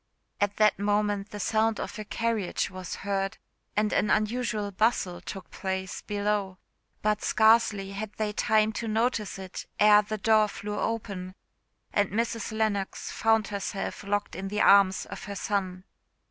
At that moment the sound of a carriage was heard, and an unusual bustle took place below; but scarcely had they time to notice it ere the door flew open, and Mrs. Lennox found herself locked in the arms of her son.